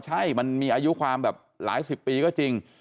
ใช่มันมีอายุความแบบหลายสิบปีก็จริง